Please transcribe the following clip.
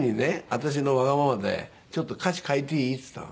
私のわがままで「ちょっと歌詞変えていい？」って言ったの。